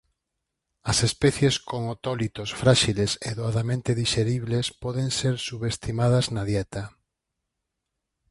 As especies con otólitos fráxiles e doadamente dixeribles poden ser subestimadas na dieta.